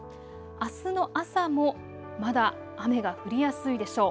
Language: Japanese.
あすの朝もまだ雨が降りやすいでしょう。